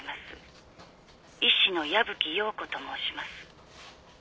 医師の矢吹洋子と申します。